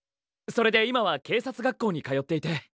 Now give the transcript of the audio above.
それで今は警察学校に通っていて。